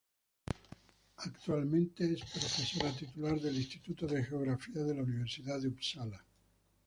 Actualmente es Profesora Titular del Instituto de Geografía de la Universidad de Upsala.